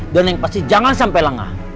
dan yang pasti jangan sampai lengah